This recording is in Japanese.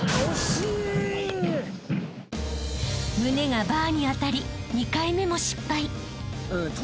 ［胸がバーに当たり２回目も失敗］